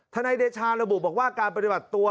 นายเดชาระบุบอกว่าการปฏิบัติตัว